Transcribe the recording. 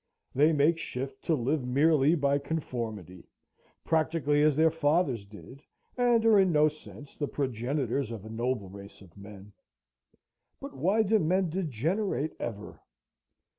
They make shift to live merely by conformity, practically as their fathers did, and are in no sense the progenitors of a nobler race of men. But why do men degenerate ever?